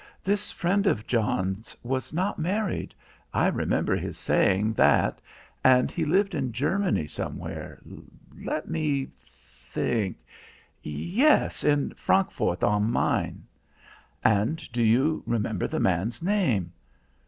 This friend of John's was not married; I remember his saying that. And he lived in Germany somewhere let me think yes, in Frankfort on Main." "And do you remember the man's name?"